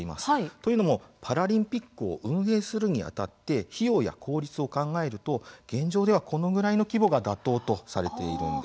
というのも、パラリンピックを運営するにあたって費用や効率を考えると現状ではこのぐらいの規模が妥当とされています。